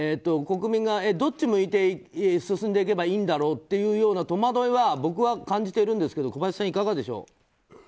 国民がどっち向いて進んでいけばいいんだろうという戸惑いを僕は感じているんですが小林さんはいかがでしょう。